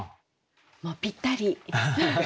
もうぴったり。